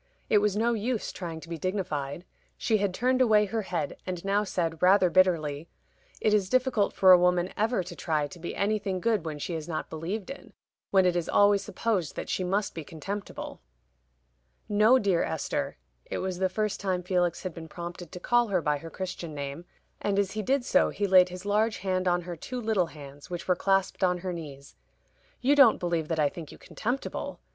It was no use trying to be dignified. She had turned away her head, and now said, rather bitterly, "It is difficult for a woman ever to try to be anything good when she is not believed in when it is always supposed that she must be contemptible." "No, dear Esther" it was the first time Felix had been prompted to call her by her Christian name, and as he did so he laid his large hand on her two little hands, which were clasped on her knees. "You don't believe that I think you contemptible.